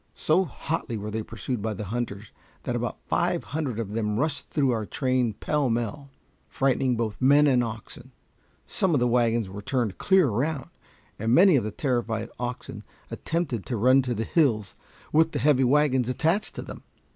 So hotly were they pursued by the hunters that about five hundred of them rushed through our train pell mell, frightening both men and oxen. Some of the wagons were turned clear around, and many of the terrified oxen attempted to run to the hills, with the heavy wagons attached to them.